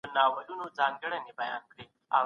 موږ به په دې اړه فکر کوو.